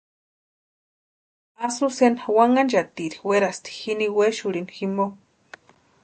Azucena wanhanchatiri werasti ini wexurhini jimpo.